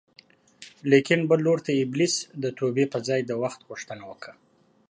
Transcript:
لاکن بل لور ته ابلیس د توبې په ځای د وخت غوښتنه وکړه